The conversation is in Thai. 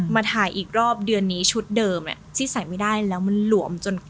มาถ่ายอีกรอบเดือนนี้ชุดเดิมที่ใส่ไม่ได้แล้วมันหลวมจน